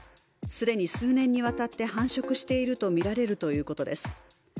既に数年にわたって繁殖しているとみられるということです。